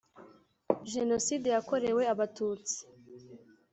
Genocide yakorewe Abatutsi.